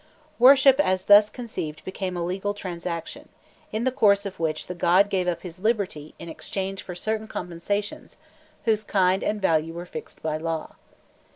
Worship as thus conceived became a legal transaction, in the course of which the god gave up his liberty in exchange for certain compensations whose kind and value were fixed by law.